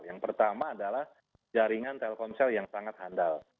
yang pertama adalah jaringan telkomsel yang sangat handal